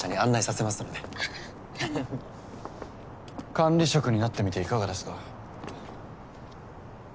管理職になってみていかがですか？